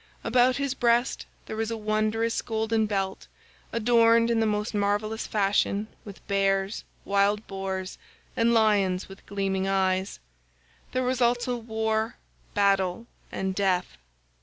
About his breast there was a wondrous golden belt adorned in the most marvellous fashion with bears, wild boars, and lions with gleaming eyes; there was also war, battle, and death.